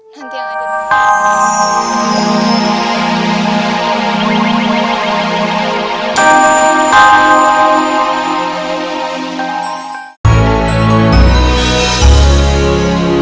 nanti yang ada lagi